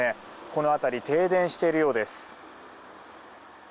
この辺り停電しているようです。